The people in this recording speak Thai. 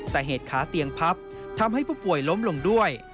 แต่เหตุขาเตียงพับทำให้ผู้ป่วยล้มลงด้วย